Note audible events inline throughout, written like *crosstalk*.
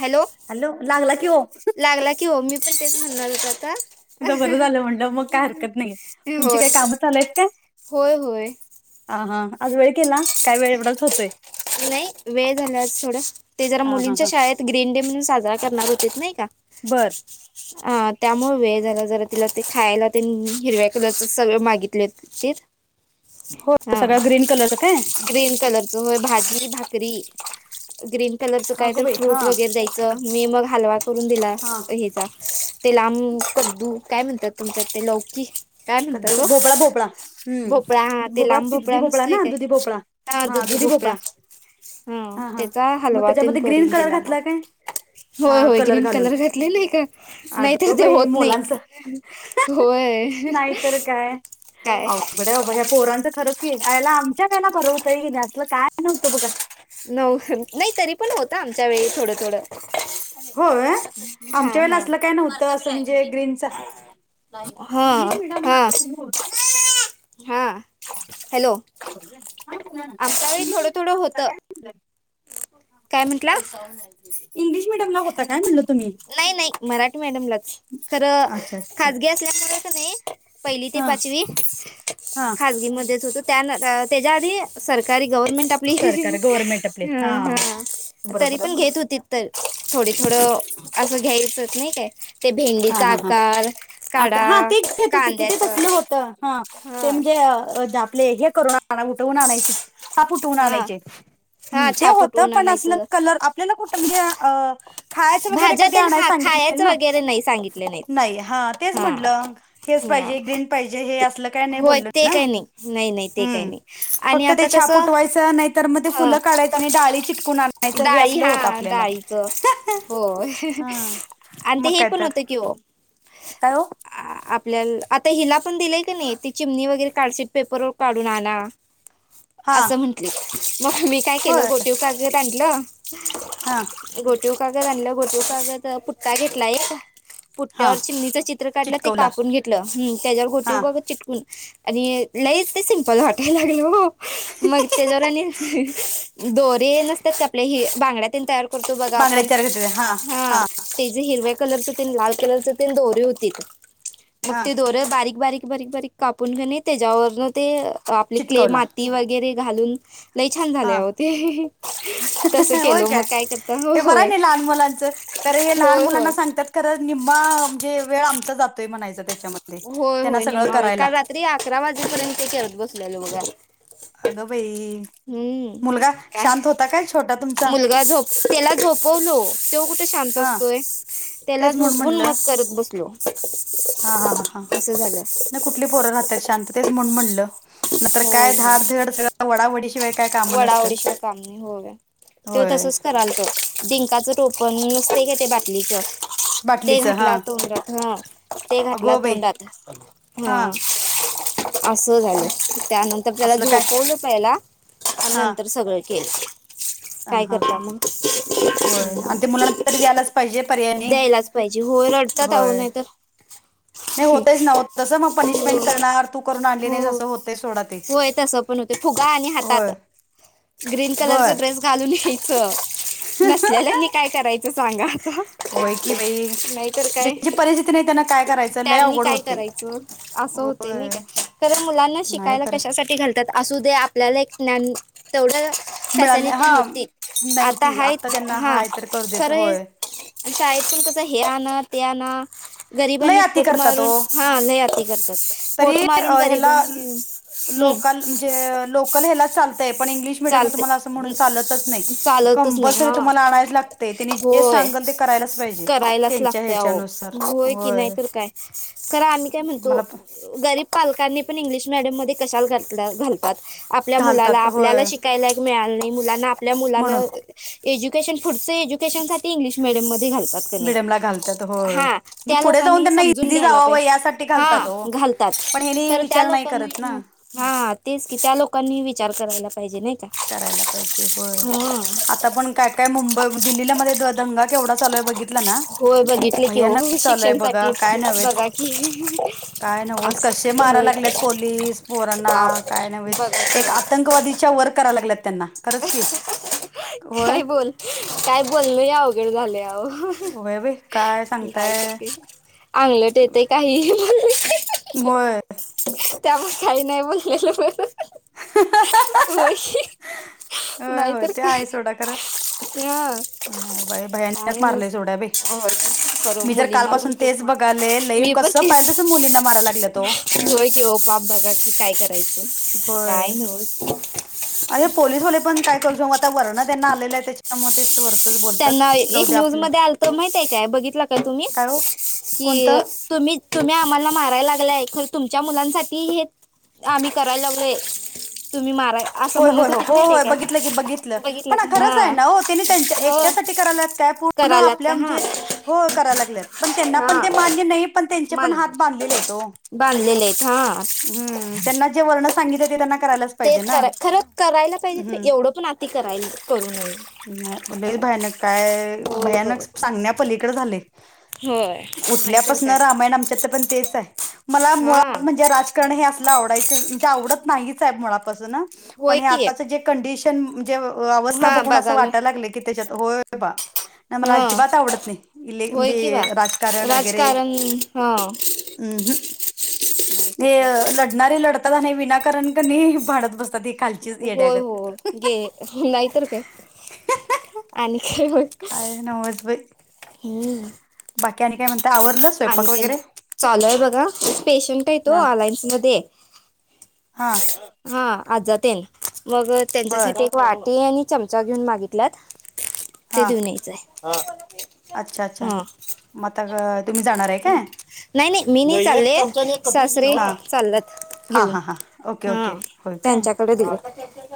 Hello लागला कि ओ लागला की हो मी पण तेच म्हणणार होतं आता. एकदा बरं झालं म्हणलं मग काय हरकत नाही होय तुमची काय कामं होय चालयत का? होय होय आ हा आज वेळ केला? एवढाच होतोय नाही वेळ झाला आज थोडं ते जरा हा हा मुलींच्या हा शाळेत ते ग्रीन डे म्हणून साजरा करणार होतेत नाही का? बरं अ त्यामुळे वेळ झाला जरा तिला ते खायला तेन हिरव्या कलरचा सगळं मागितले. तेर हो हा सगळा ग्रीन कलरच काय ग्रीन कलरचा भाजी, भाकरी ग्रीन कलरचं काय अगं तर बाई हा फ्रूट वगैरे द्यायचं मी मग हलवा करून दिला हा हेच्या ते लांब कद्दू काय म्हणतात तुमच्या ते लौकी काय म्हणता कद्दू तो भोपळा भोपळा भोपळा हा हम्म ते भोपळाच लांब की दुधी भोपळा नसतोय ना काय दुधी भोपळा हा दुद्दु दुधी भोपळा हा त्याचा मग हलवा तेन त्याच्यामध्ये ग्रीन करून कलर दिला म. घातला काय होय हा होय ग्रीन घालून कलर घातले का नाहीतर अगं ते बाई होत नाही. मुलांच होय. नाहीतर काय काय अवघड बाबा ह्या पोरांचा खरंच की आयला आमच्या वेळेला बरं होतोय की नाही असलं काय नव्हतं बघा. नव्हतन नाही तरी पण होतं आमच्या वेळी थोडं थोडं. होय हा आमच्या वेळेला हा असलं काय नव्हतं असं म्हणजे ग्रीनचा हा हा इंग्लिश मिडियमला हा. तुम्ही हॅलो हो बोला ना आमच्या वेळी इंग्लिश थोडं मिडियम थोडं ला होता होतं काय. *inaudible* काय म्हटला? इंग्लिश मिडियमला होता काय म्हणलं तुम्ही? नाही नाही मराठी मॅडियमलाच खरं अच्छा अच्छा खजगी असल्यामुळेच नाही पहिली ते हा पाचवी हा खजगी मध्येचं होतं त्यान त्याच्या आधी सरकारी गव्हर्मेंट हा हा सरकार गव्हर्नमेंट आपले हा आपली तरी बरोबर आहे पण बरोबर घेत होती. तर थोडी थोडं असं घ्यायचं नाही काय. ते हा भेंडीचा हा हा आक आकारकाढा, हा ते घेत होते की ते कांद्याचा तसलं होतं हा ते म्हणजे अ जे आपले हे करून आणा उठवून आणायची हा पुठवून हां आणायचे हम्म हां ते छाप होतं उठवून पण असलं आणायचं कलर आप आपल्याला कुठं म्हणजे अ खायचं वगैरे कधी आणाय सांगितलेले ना. अरे नाही सांगीत नाही हा तेच म्हटलं हेच हां पाहिजे ग्रीन पाहिज हे ते असलं काही नाही होय बोललो ते काही नाही नाही नाही ते काही हम्म नाही आणि फक्त ते आता छाप कसं उठवयच नाय तर मध्ये ते फुलं हं काढयच आणि डाळी चिटकून आ णयाचं हे डाळी असलं होत हां आपल्याला. डाळीचं होय आणि ते मग हे काय पण तर होतं कि हो काय हो? आपल्याला आता हिला पण दिलाय का नाही ती चिमणी वगैरे कार्डशीट पेपरवर काढून आना हा अस म्हंटली मग मी काय केलं गोटीव का त्यानल हां गोटीव कागद आणलं गोटीव कागद पुट्टा घेतला एक हा पुठ्ठ्यावर चिमणीचं चित्र काढलं ते चिटकवला कापून घेतलं त्याच्यावर हा घोटीव का चिटकून आणि लईच ते सिम्पल वाटायला लागल हो मग त्याच्यावर आणि दोरे येल असतात का आपल्या हि बांगड्यात तयार करतो बघा आपण बांगड्या चार घेतले हा ते जे हिरव्या कलरच ते लाल कलरचे ते दोरी होती. मग हा ते दोर बारीक-बारीक-बारीक-बारीक कापून घेणे त्याच्यावरन ते आपली क्ले चिटकवला माती वगैरे घालून लय छान झाले हा अहो ते- तसं होय केलो मग काय करता हो ते बरं आहे होय नाही लहान मुलांच तर हे लहान होय मुलांना होय सांग आणत्यात करत निम्मा म्हणजे वेळ आमचा जातोय म्हणायचा त्याच्यात होय, होय निम्मा वेळ काल रात्री अकरा वाजेपर्यंत ते करत बसलेले बघा अगं बाई हम्म मुलगा काय शांत होता काय छोटा तुमचा? मुलगा झोप त्याला झोपवलो तो कुठे शांत हा असतोय त्याला तेच म्हणून झोपून म्हणलं मग करत बसलो. हा, हा, ह, हां असं झालं नाही कुठली पोर राहतात शांत तेच म्हणून म्हटलं नाही तर काय धाडधड सगळं वडा वडी शिवाय वडा ओडी शिवाय काम नाही होव ते होय तसच करालत डिंकाच टोपण नुसते का ते बाटलीच ते बाटलीचं हा घाटला तोंडात हा ते घाटला अगो बाई तोंडात हा असं झालं त्यानंतर त्याला असलं काय झोपवलं पहिला अन हा नंतर सगळ केलं. *inaudible* काय हा करता मग होय आणि ते मुलांना तरी द्यायलाच पाहिजे पर्यायाने द्यायलाच पाहिजे होय रडतात आहो होय नाही तर नाही होतच नव्हत तसं मग हो पनिशमेंट करणार तू करून आणली नाही हो असं होतेय सोडा ते होय तसं पण होते फुगा आणि हातात होय ग्रीन कलरचा बर ड्रेस घालून यायच नसल्याल्यांनी काय करायचं सांगा आता होय की बाई नाहीतर काय. ज्याची परिस्थिती नाही त्यांना काय करायचं लय त्यांनी अवघड काय होते करायचं असं होत नाही होय का? खरं मुलांना नाही शिकायला खरं कशासाठी घालतात असू दे आपल्याला एक ज्ञान तेवढं मिळाल नाही फॅसलिटी हा नव्हती नाही आता होती हायत त्यांना हा हाय तर करू देत खरं होय अन शाळेत पण कसं हे आणा ते आणा लय गरिबांनी अती पोट करतात मारून ओ हा लय अती करतात. तरी पोट मारून ह्याला गरिबांनी हं, लोकल म्हणजे लोक लोकल ह्याला चालतय पण इंग्लिश मीडियम ला चालते तुम्हाला अस म्हणून चालतच नाही चालतच नाही कंपल्सरी हां तुम्हाला आणायलाच लागतय ते त्यांनी जे होय सांगल ते करायलाच पाहिजे करायलाच त्यांच्या ह्याच्यानुसार होय. करा आम्ही काय म्हणतो मला गरीब पालकांनी पण इंग्लिश मडियम मध्ये कशाला घातल घालतात आपल्या मुलाला घालतात आपल्याला होय शिक काय लायक मिळालं नाही मुलांना आपल्या मुलांना म्हणून एज्युकेशन फुटत शसाठी इंग्लिश मिडयम मध्ये घालतात का नाही मिडियमला घालतात होय. हा म्हणजे त्या पुढे जाऊन लोकांनी त्यांना समजून इझी घ्यायला जावावं पाहिजे यासाठी हा घालतात हो. घालतात पण हेनी तर त्या विचार नाही करत ना लोकांना हा तेच की त्या लोकांनी विचार करायला पाहिजे नाही का? करायला पाहिजे होय. आता पण काय-काय मुंबई दिल्लीला मध्ये दंगा केवढा चालू आहे बघित होय बघितले की होय आहे बघा शिक्षणसाठी काय नव्हेच. बघा की. काय नव्हच अस कसे मारा होय की लागलेत पोलीस पोरना, बाप काय नव्हेच बघा एक केवढं. आ तंकवादीच्या वर करायां लागल्यात. त्यांना खरंच की होय. काय बोल, काय बोल लयी अवघड झालंय आहो. होय बाई काय नाहीय सांगताय *unintelligible* त अंगलट येतय काही म्हण होय. त्यामुळे काही नाही बोललेलं बर. होय की होय नाही होय तर ते आहे काय. सोडा खरं. ह नाही बाई भयानक आले कस मारलंय सोडा बाई. बरं *unintelligible* करू मी तर मुलींना कालपासून पण खूप तेच बघाले मन लई मी पण कसं पाहिल तसं मुलींना मारायला लागल्यात ओ. तिचं *unintelligible* हो की हो पाप बघा की काय करायचं काय होय. नव *unintelligible* अरे पोलीसवाले पण काय करू आता वर्ण त्यांना आलेलं आहे त्याच्यामध्येच *unintelligible* त्यांना एक न्यूज मध्ये आलत माहित आहे काय, बघितलं काय तुम्ही. कि कोणतं तुम्ही -तुम्ही आम्हाला मारायला लागलाय खर तुमच्या मुलांसाठी हे आम्ही करायला लागलोय तुम्ही मारा असं होय होय म्हणत हो होतीत हो माहितीय होय काय बघितलं की बघितलं पण का खरंच आहे हा ना त्यांनी त्यां हो एकट्या साठी करायला काय पूर्ण करायलात आपल्या का हा म्हणजे, हो करा लागल्यात पण त्यांना पण ते हा मान्य नही. पण त्यांचे पण मान हात बांधलेले येत हो. बांधलेले आहेत हा हूं त्यांना जे वरण सांगितल ते त्यांना करायलाच पाहिजे तेच ना कराय, खरं करायला पाहिजे, हम्म एवढं पण आती करायला करू नये. नाही लय भयानक, काय होय बघ भयानक सांगण्या पलीकडे झालय. *unintelligible* उठल्यापासन काय रामायण आमच्या इत पण तेच आहे, मला हा मुळात म्हण जे राजकारण हे असल आवडायच म्हणजे आवडत नाहीचं आहे मुळापासुन. होय की जे कंडीशन. जे अ अवस्था हा बघून असं बघायला वाटायला लागलय की, त्याच्यात होय बा नाही मला हा अजिबात आवडत नही. इले होय म्हणजे की बा हे राजकारण वगैरे. राजकारण हा ऊ हूं ते नाहीतर काय ल णारे लढतात आणि विनाकारण कणी भांडत बसतात ते. हो हो गे नाहीतर काय. आणखी होय काय नवच बाई हूं! बाकी आणि काय म्हणता आवरलं आणि स्वयंपाक ते वगैरे नाही चालू आहे बघा पेशंट आहे तो अलायन्स मध्ये ये. हां! हा आज जातेन मग बर त्यांच्यासाठी वाटी आणि चमचा घेऊन मागितलात. ते हां देऊन यायचं आहे हा. मा ता गळत. नाही-नाही, मी नाही चालले सासरे हां चाललात हां घेऊन. हां हां ओके ओके हा होय काय त्यांच्याकडे दिलत.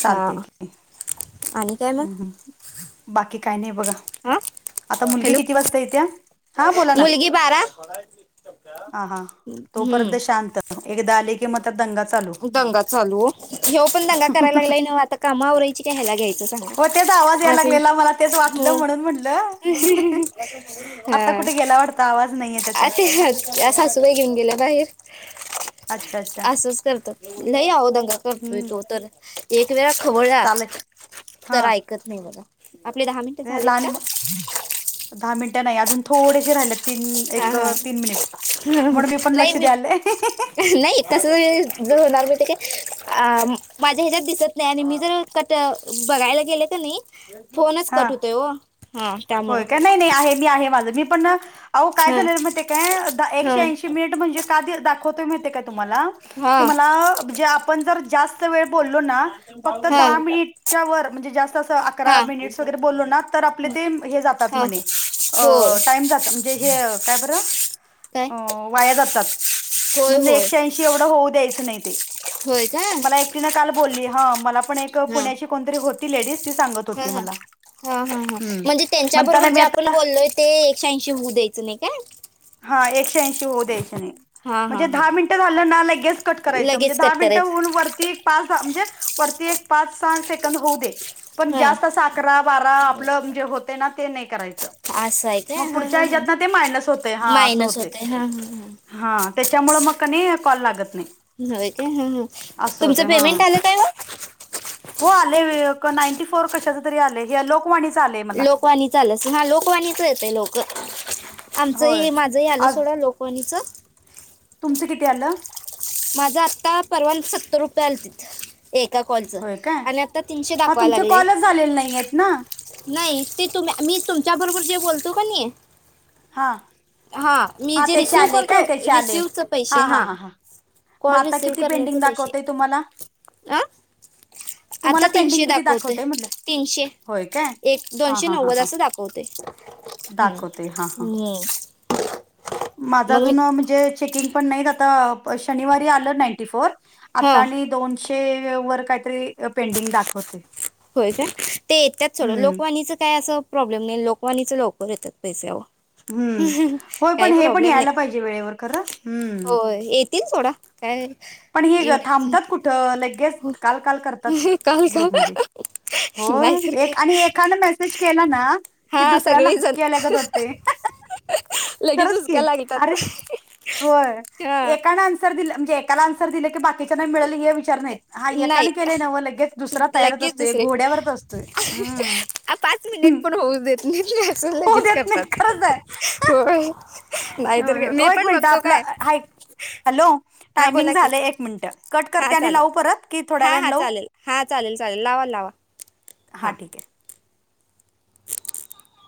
चालते की. आणि काय मग हूं हूं बाकी काय नाही बघा, हा आता मुलगी हॅलो किती वाजता येत्या. हां बोला ना मुलगी बारा हूं! आणतात एकदा आली दंगा चालू ओ. हे पण दंगा करायला लागलाय ना आता कामावरराय का हयला घ्यायचं सांग व तेच आवाज याय लागलेला मला तेच वाटलं हो म्हणून म्हटलं आता हा कुठे गेला वाटत आवाज नाहीये त्याचा या सासू बाई घेऊन गेल्या बाहेर अच्छा अच्छा असंच करत लय आहो दंगा करतोय हम्म तो तर एक वेळ खवळला आहे हा तर ऐकत नाही बघ लहान दहा मिनट नाही अजून थोडेसे राहिलेत तीन हा एक हा तीन मिनिट म्हणून मी पण लक्ष दलं तस जर होणार नाही नवत अ माझ्या ह्याच्यात दिसत नाही आणि मी जर कट बघायला गेले का नाही फोनच हा कट होतोय हो हां होय काय त्यामुळं नाही नाही आहे मी आहे माझं मी पण अह काय हां झाले महि ते काय द एकशे हां ऐंशी मिनिट म्हणजे का दाखवतोय मी ते काय तुम्हाला हा ते मला म्हणजे आपण जर जास्त वेळ बोललो ना फक्त हा दहा मिनिटच्या वर म्हणजे जास्त अस अकरा हा मिनिट वगैरे बोललो ना तर आपल्या ते जातात हा म्ह होय टाईम जात म्हणजे हे काय बरं काय अ वाया जातात होय म्हणून होय एकशे ऐंशी एवढं होऊ द्यायचं नाही ते होय का मला हा एकटी काल बली मला पण हा पुण्या कोणतरी होती लेडीज ती सांगत हा होती मला हा हा हा हम्म म्हणजे त्यांच्या बरोबर म्हणताना जे मी आता आपण बोललोय ते एकशे ऐंशी होऊ द्यायचं नाही का हा एकशे ऐंशी होऊ देस हा हा म्हणजे हा दहा मिनिट झालं ना गस कट करायच म्हणजे लगेच दहा कट मिनिट करायच होऊन वरती पाच दहा म्हणजे वरती एक पाच साठ सेकंद होऊ दे पण हा जास्त अस अकरा बारा आपलंजे होते ना ते नाही करायच असं आहे मग काय हा हा हा पुढच्याच्या मानस होत हो मायनस होते हा हा त्यामुळे म कल लात हो ह हा होते तुमचं हा पेमेंट आलं काय हो आलेय नाईंटी फोर कशाच तरी आलंय हे लोकवाणीच आलेय मला लोकवाणीचा आलस हा लोकवाणीच येतय लोक होय आमचं माझं आलं आज सोडं लोक पनीचात तुमचं किती आलं माझा आत्ता परवान सत्तर रुपये आलेतील एका कॉलचं होय काय आणि आता तीनशे हा दाखवा तुमचे लागले कॉलच झालेले नाही आहेत ना नाही ते तुम मी तुमच्या बरोबर जे बोलतो का नाही हां हा मी जे रिसिव करतो त्याचे आले रिसिवचे पैसे हा मग कॉल आता रिसिव किती करण्याचे पेंडिंग पैसे दाखवतय तुम्हाला अं आता तुम्हाला तीनशे पेंडिंग किती दाखवतेोय दाखवतय म्हटलं तीनशे होय काय एक हा दोनशे हा हा नव्वद हां अस दाखवते हम् दाखवते हा हा हम्म माझा मग मी अजुून म्हणजे चेकिंग पण नाहीत आता शनिवारी आलं नाईंटी फोर आता हां आणि दोनशे वर काहीतरी पेंडिंग दाखवते होय का ते येतात सडं हम्म लोकवाणीच काय असं प्रॉब्लेम नाही लोकवानीच लवकर येतात पैसेवर हम्म होय पण हे पण यायला पाहिजे वेळेवर ख हम्म तीन सोडा काय पण ही एवढं की थांबतात कुठं लगेच काल, काल करतात नाही काल का ग्रुपमध्ये. होय, नाहीतर काय एक आणि एकानं मेसेज केला ना कि हा दुसऱ्याला सगळेजण आल्यागत होतंय. लगेच खरच की, हुसक्या लागतात अरे होय हा एकानचं मी एकाला अन्सर दिलं की बाकीचं बाकीना मिळेल हे विचार नाहीत, हा एकाने नाही केलंय नव्ह लगेच दुसरा तयारच लगेच असतोय घोड्यावरच असतो. हम् आ पाच मिनिटं पण होऊ देत. नीच मेसेज होऊ लगेच देत नाहीत करतात. खरंच आहे होय नाही तर काय, मी पण बघतो. काय हाइत, हॅलो हा टायमिंग बोला की झालंय एक मिनट. कट हा करते आणि चालेल लावू परत की थोड्या हा वेळाने हा लावू? चालेल हा चालेल चालेल लावा लावा हा ठीक हाय.